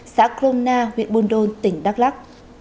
xã crona huyện buôn đôn tỉnh đắk lắk